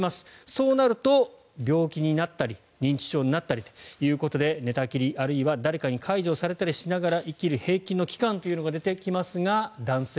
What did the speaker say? そうなると病気になったり認知症になったりということで寝たきりあるいは誰かに介助されたりしながら生きる平均の期間が出てきますが男性